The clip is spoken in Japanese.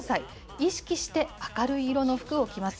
意識して明るい色の服を着ます。